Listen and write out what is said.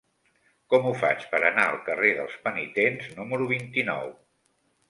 Com ho faig per anar al carrer dels Penitents número vint-i-nou?